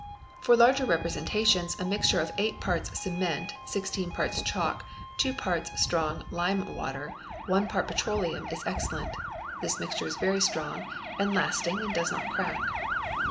For large representations a mixture of 8 parts cement, 16 parts chalk, 2 parts strong lime water, and 1 part petroleum is excellent ; this mixture is very strong and lasting and does not crack.